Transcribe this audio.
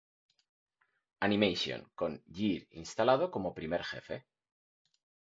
Animation, con Geer instalado como primer jefe.